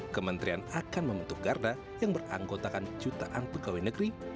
kementerian akan membentuk garda yang beranggotakan jutaan pegawai negeri